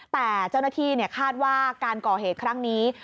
แต่เจ้าหน้าที่คาดว่าการก่อเหตุครั้งนี้